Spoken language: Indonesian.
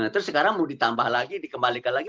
terus sekarang mau ditambah lagi dikembalikan lagi